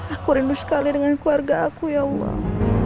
aku rindu sekali dengan keluarga aku ya allah